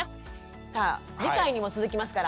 さあ次回にも続きますから。